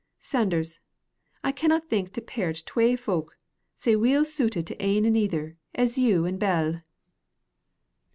"Sanders, I canna think to pairt twa fowk sae weel suited to ane anither as you an' Bell."